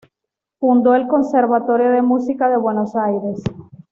Fundó el Conservatorio de Música de Buenos Aires.